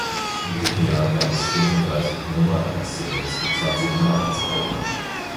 In diesem Jahr gab es fünfunddreißig Nummer-eins-Singles und zwanzig Nummer-eins-Alben.